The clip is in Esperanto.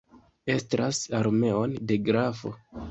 Estras armeon de grafo.